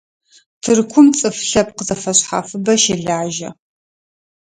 Тыркум цӀыф лъэпкъ зэфэшъхьафыбэ щэлажьэ.